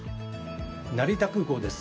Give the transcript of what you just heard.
成田空港です。